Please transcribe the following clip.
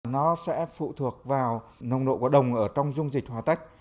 nó sẽ phụ thuộc vào nồng độ của đồng ở trong dung dịch hòa tách